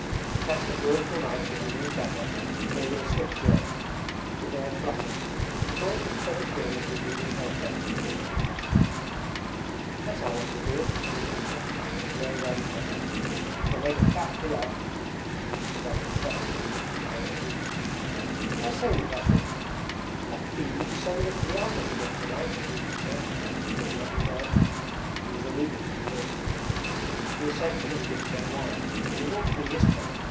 Lukashka drew a little knife from under his dagger and gave it a swift jerk. The bird fluttered, but before it could spread its wings the bleeding head bent and quivered. 'That's how one should do it!' said Lukashka, throwing down the pheasant. 'It will make a fat pilau.' Nazarka shuddered as he looked at the bird. 'I say, Lukashka, that fiend will be sending us to the ambush again tonight,' he said, taking up the bird. (He was alluding to the corporal.) 'He has sent Fomushkin to get wine, and it ought to be his turn.